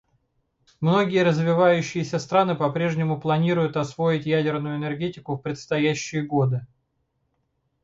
Многие развивающиеся страны по-прежнему планируют освоить ядерную энергетику в предстоящие годы.